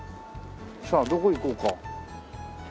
さあどこ行こうか？